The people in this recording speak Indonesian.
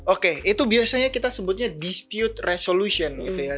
oke itu biasanya kita sebutnya dispute resolution gitu ya